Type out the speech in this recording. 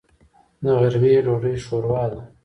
د غرمې ډوډۍ شوروا ده.